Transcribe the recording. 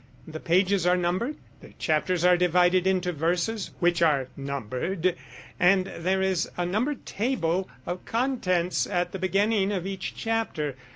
The pages are numbered, the chapters are divided into verses which are numbered, and there is a numbered table of contents at the beginning of each chapter.